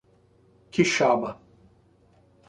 Quixaba